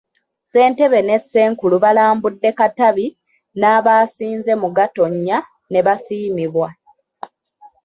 Ssentebe ne Ssenkulu balambudde Katabi n'abaasinze mu Gatonnya nebasiimibwa.